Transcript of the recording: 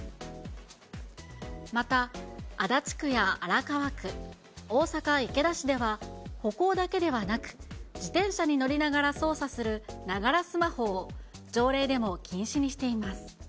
また足立区や荒川区、大阪・池田市では歩行だけではなく、自転車に乗りながら操作するながらスマホを条例でも禁止にしています。